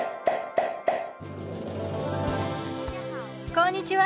こんにちは。